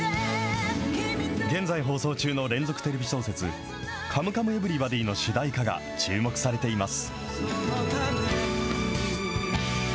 現在放送中の連続テレビ小説、カムカムエヴリバディの主題歌が注目されています。